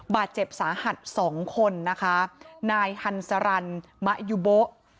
บาดเจ็บสาหัสสองคนนะคะนายฮันสารันมะยุโบ๊ะ